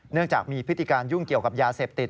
เนื่องจากมีพฤติการยุ่งเกี่ยวกับยาเสพติด